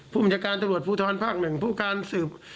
ผู้มันจากการตลอดฟู้ทรภาคหนึ่งผู้การสืบ